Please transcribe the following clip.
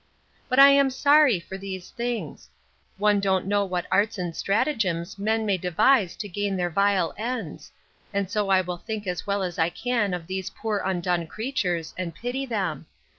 But I am sorry for these things; one don't know what arts and stratagems men may devise to gain their vile ends; and so I will think as well as I can of these poor undone creatures, and pity them.